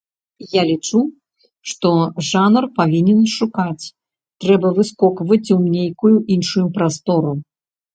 Я лічу, што жанр павінен шукаць, трэба выскокваць у нейкую іншую прастору.